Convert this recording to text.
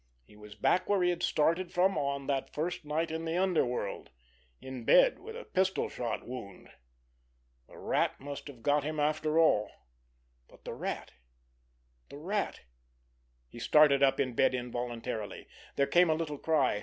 He was back where he had started from on that first night in the underworld—in bed with a pistol shot wound. The Rat must have got him after all. But the Rat—the Rat! He started up in bed involuntarily. There came a little cry.